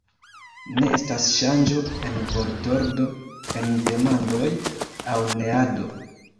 Ne estas ŝanĝo en vortordo en demandoj aŭ neado.